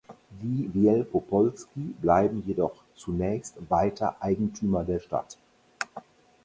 Die Wielkopolski blieben jedoch zunächst weiter Eigentümer der Stadt.